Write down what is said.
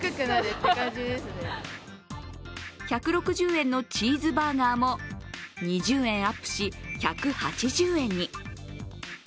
１６０円のチーズバーガーも２０円アップし、１８０円に。